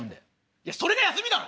いやそれが休みだろ！